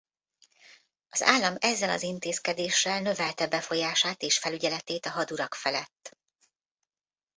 Az állam ezzel az intézkedéssel növelte befolyását és felügyeletét a hadurak felett.